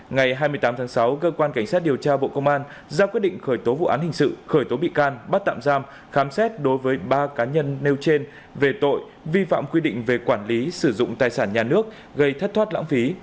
ngày hai mươi tám tháng sáu cơ quan cảnh sát điều tra bộ công an ra quyết định khởi tố vụ án hình sự khởi tố bị can bắt tạm giam khám xét đối với ba cá nhân nêu trên về tội vi phạm quy định về quản lý sử dụng tài sản nhà nước gây thất thoát lãng phí